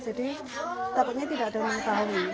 jadi tampaknya tidak ada yang tahu